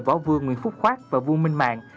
võ vương nguyễn phúc khoác và vua minh mạng